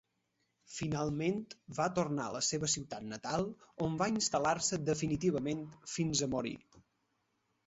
Finalment va tornar a la seva ciutat natal, on va instal·lar-se definitivament fins a morir.